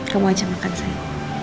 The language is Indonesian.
kamu aja makan sayang